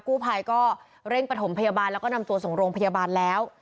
กู้ภัยก็เร่งประถมพยาบาลแล้วก็นำตัวส่งโรงพยาบาลแล้ว